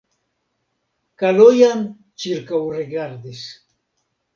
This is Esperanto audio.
Kalojan ĉirkaŭrigardis.